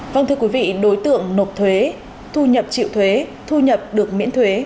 vâng thưa quý vị đối tượng nộp thuế thu nhập chịu thuế thu nhập được miễn thuế